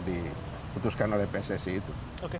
di putuskan oleh pssi itu